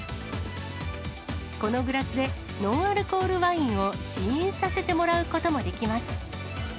このグラスでノンアルコールワインを試飲させてもらうこともできます。